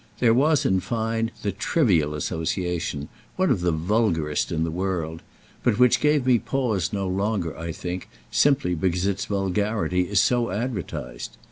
There was in fine the trivial association, one of the vulgarest in the world; but which give me pause no longer, I think, simply because its vulgarity is so advertised.